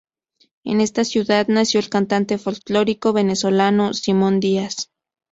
En esta ciudad nació el cantante folclórico venezolano Simón Díaz.